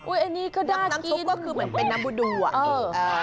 อุ้ยอันนี้เขาได้กินน้ำชุบก็คือเหมือนเป็นน้ำบูดูอ่ะเออ